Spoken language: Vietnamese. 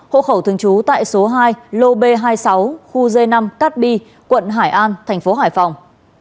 hộ khẩu thường trú tại số hai lô b hai mươi sáu khu g năm cát bi quận hải an thành phố hải phòng